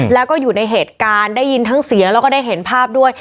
แล้วก็อยู่ในเหตุการณ์ได้ยินทั้งเสียงแล้วก็ได้เห็นภาพด้วย